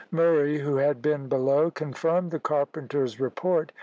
Murray, who had been below, confirmed the carpenter's report.